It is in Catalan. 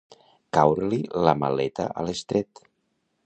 Caure-li la maleta a l'estret.